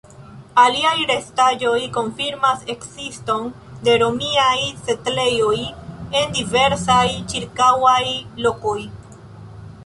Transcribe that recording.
Aliaj restaĵoj konfirmas ekziston de romiaj setlejoj en diversaj ĉirkaŭaj lokoj.